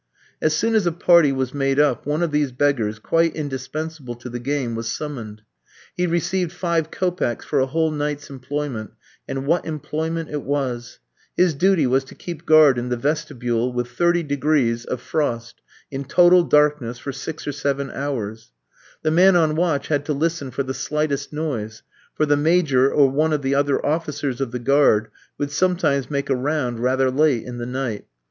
As soon as a party was made up, one of these beggars, quite indispensable to the game, was summoned. He received five kopecks for a whole night's employment; and what employment it was! His duty was to keep guard in the vestibule, with thirty degrees (Réaumur) of frost, in total darkness, for six or seven hours. The man on watch had to listen for the slightest noise, for the Major or one of the other officers of the guard would sometimes make a round rather late in the night.